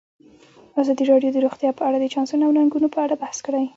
ازادي راډیو د روغتیا په اړه د چانسونو او ننګونو په اړه بحث کړی.